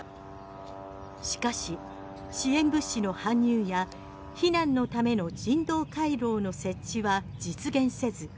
しかし支援物資の搬入や避難のための人道回廊の設置は実現せず。